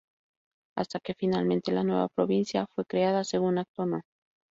Hasta que finalmente, la nueva provincia fue creada según Acto No.